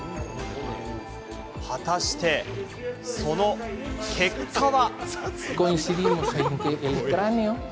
果たして、その結果は。